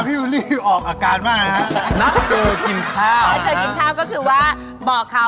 โหนัดเจอกินข้าว